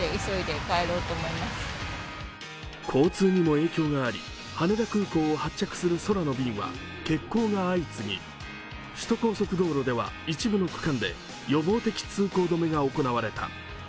交通にも影響があり、羽田空港を発着する空の便は欠航が相次ぎ、首都高速道路では一部の区間で予防的通行止めが行われた。